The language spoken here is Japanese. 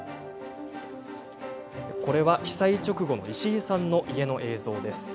これは、被災直後の石井さんの家の映像です。